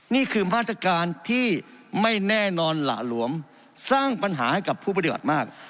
นี่คือมาตรการที่ไม่แน่นอนหละหลวมสร้างปัญหาให้กับผู้ปฏิบัติมาก